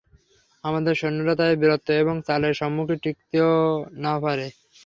আমাদের সৈন্যরা তাদের বীরত্ব এবং চালের সম্মুখে টিকতে নাও পারে।